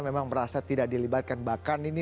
memang merasa tidak dilibatkan bahkan ini